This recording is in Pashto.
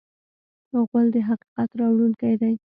غول د حقیقت راوړونکی دی.